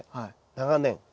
長年。